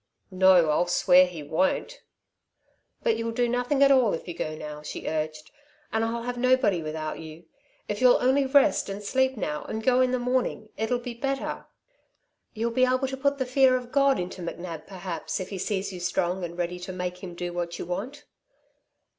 "No, I'll swear he won't!" "But you'll do nothing at all if you go now," she urged, "and I'll have nobody without you. If you'll only rest and sleep now and go in the morning, it'll be better. You'll be able to put the fear of God into McNab perhaps if he sees you strong and ready to make him do what you want."